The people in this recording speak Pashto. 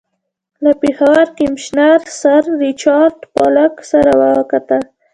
له پېښور کمیشنر سر ریچارډ پالک سره وکتل.